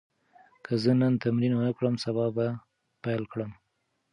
که زه نن تمرین ونه کړم، سبا به پیل کړم.